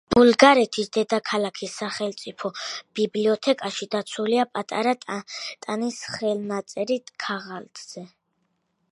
ბულგარეთის დედაქალქის სახელმწიფო ბიბლიოთეკაში დაცულია პატარა ტანის ხელნაწერი ქაღალდზე.